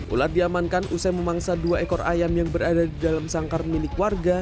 ular diamankan usai memangsa dua ekor ayam yang berada di dalam sangkar milik warga